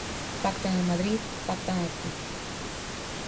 'Pactan en Madrid, pactan aquí'.